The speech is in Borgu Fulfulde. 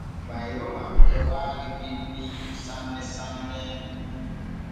Mayroma e waawi binni sanne sanne.